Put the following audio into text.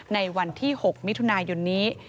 ในวันที่๖มิถุนายนนี้